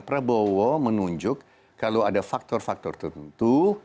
prabowo menunjuk kalau ada faktor faktor tentu